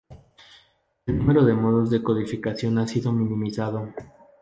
El número de modos de codificación ha sido minimizado.